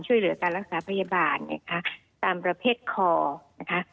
ช่วยเหลือการรักษาพยาบาลนะคะตามประเภทคอนะคะ